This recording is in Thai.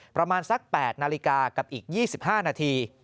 ประมาณสัก๘นาฬิกากับอีก๒๕นาที